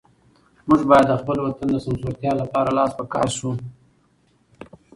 موږ باید د خپل وطن د سمسورتیا لپاره لاس په کار شو.